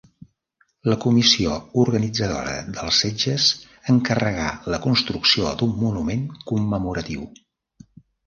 La comissió organitzadora dels setges encarregà la construcció d'un monument commemoratiu.